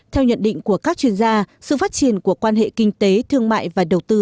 theo nhận định của các chuyên gia sự phát triển của quan hệ kinh tế thương mại và đầu tư